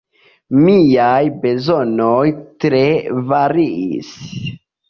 Miaj bezonoj tre variis.